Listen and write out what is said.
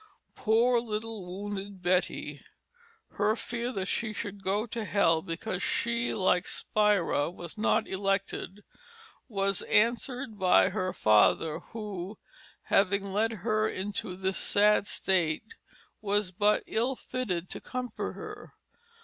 Poor little wounded Betty! her fear that she should go to hell because she, like Spira, was not elected, was answered by her father who, having led her into this sad state, was but ill fitted to comfort her.